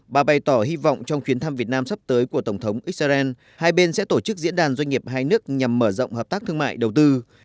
bà bày tỏ hy vọng trong chuyến thăm việt nam sắp tới của tổng thống israel hai bên sẽ tổ chức diễn đàn doanh nghiệp hai nước nhằm mở rộng hợp tác thương mại đầu tư